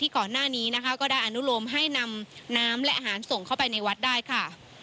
ก็ได้อนุโลมให้นำน้ำและอาหารส่งเข้าไปในวัดได้ค่ะ